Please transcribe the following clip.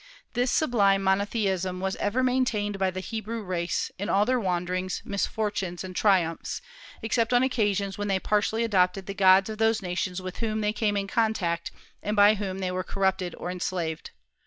This sublime monotheism was ever maintained by the Hebrew race, in all their wanderings, misfortunes, and triumphs, except on occasions when they partially adopted the gods of those nations with whom they came in contact, and by whom they were corrupted or enslaved.